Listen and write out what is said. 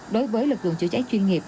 đối với lật luận chữa cháy chuyên nghiệp